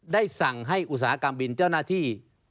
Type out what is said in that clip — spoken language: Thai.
ได้สั่งให้อุตสาหกรรมบินเจ้าหน้าที่